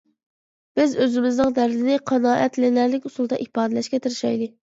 بىز ئۆزىمىزنىڭ دەردىنى قانائەتلىنەرلىك ئۇسۇلدا ئىپادىلەشكە تىرىشايلى.